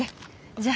じゃあ。